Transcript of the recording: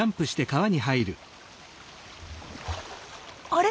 あれ？